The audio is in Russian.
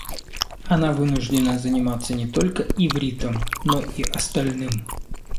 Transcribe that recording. Она вынуждена заниматься не только ивритом, но и остальным.